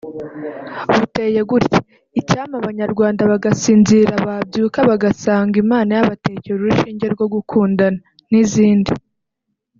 buteye gutya“Icyampa abanyarwanda bagasinzira babyuka bagasanga Imana yabateye urushinge rwo gukundana” n’izindi